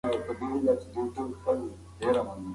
تیاره د خوب په څېر خپرېږي.